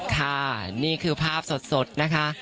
ค่ะนี่คือภาพสดนะคะ